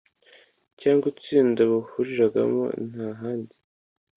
cyangwa itsinda bahuriragamo nta handi,